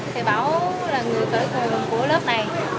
thầy bảo là người cởi thường của lớp này